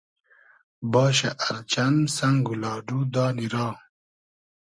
باشۂ ار چئن سئنگ و لاۮو دانی را